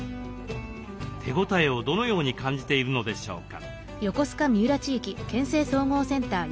手応えをどのように感じているのでしょうか。